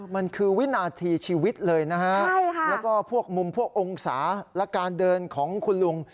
มันคือวินาทีชีวิตเลยนะฮะแล้วก็พวกมุมพวกองศาและการเดินของคุณลุง